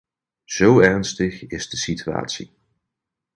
Zo ernstig is de situatie.